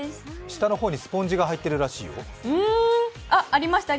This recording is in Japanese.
下の方にスポンジが入ってるらしいよ、あった？